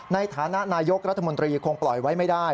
ในฐานะนายกรัฐมนตรีคงปล่อยไว้ไม่ได้